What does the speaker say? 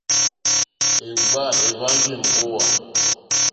Èmgbâ èhwánjì èmbówà.